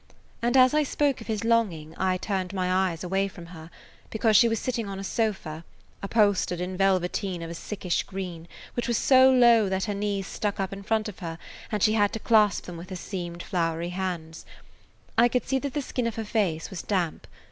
And as I spoke of his longing I turned my eyes away from her, because she was sitting on a sofa, upholstered in velveteen of a sickish green, [Page 86] which was so low that her knees stuck up in front of her, and she had to clasp them with her seamed, floury hands. I could see that the skin of her face was damp.